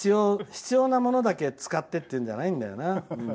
必要なものだけ使ってっていうのじゃないんだよな。